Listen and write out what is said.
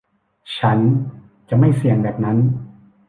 ฉันจะไม่เสี่ยงแบบนั้น